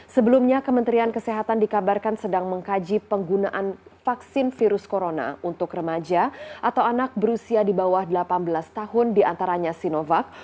sebelumnya kementerian kesehatan dikabarkan sedang mengkaji penggunaan vaksin virus corona untuk remaja atau anak berusia di bawah delapan belas tahun diantaranya sinovac